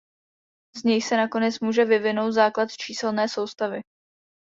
Z nich se nakonec může vyvinout základ číselné soustavy.